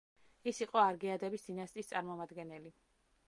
ის იყო არგეადების დინასტიის წარმომადგენელი.